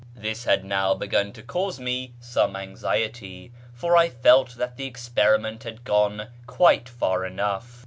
This had now begun to cause me some anxiety, for I felt that the experiment had gone quite far enough.